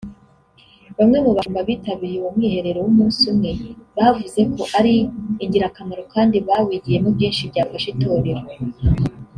Bamwe mu bashumba bitabiriye uwo mwiherero w’umunsi umwe bavuze ko ari ingirakamaro kandi bawigiyemo byinshi byafasha itorero